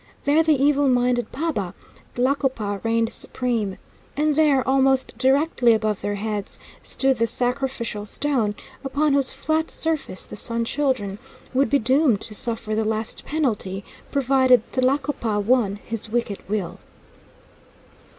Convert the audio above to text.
There the evil minded paba, Tlacopa, reigned supreme. And there, almost directly above their heads, stood the sacrificial stone, upon whose flat surface the Sun Children would be doomed to suffer the last penalty, provided Tlacopa won his wicked will.